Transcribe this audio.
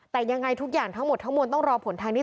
แต่ยังไงทุกอย่างทั้งหมดทั้งหมดต้องรอผลทางนิติวิทยาศาสตร์